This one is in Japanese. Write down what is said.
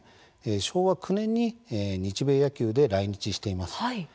昭和９年に日米野球で来日しています。